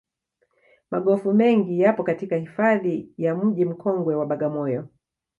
magofu mengi yapo katika hifadhi ya mji mkongwe wa bagamoyo